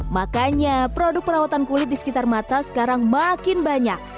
makanya produk perawatan kulit di sekitar mata sekarang makin banyak